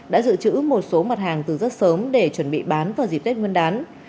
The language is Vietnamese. đã dự trữ một số mặt hàng từ rất sớm để chuẩn bị bán vào dịp tết nguyên đán